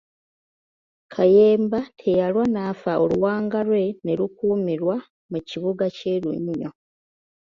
Kayemba teyalwa n'afa oluwanga lwe ne lukuumirwa mu kibuga kye Lunnyo.